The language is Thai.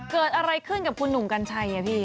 เกิดอะไรขึ้นกับคุณหนุ่มกัญชัยพี่